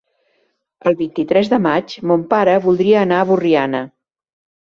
El vint-i-tres de maig mon pare voldria anar a Borriana.